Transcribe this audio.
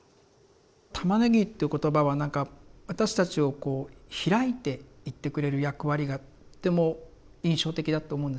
「玉ねぎ」っていう言葉はなんか私たちをこう開いていってくれる役割がとても印象的だと思うんですよね。